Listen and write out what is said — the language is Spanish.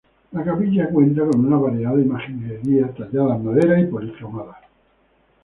La Capilla cuenta con una variada imaginería tallada en madera y policromada.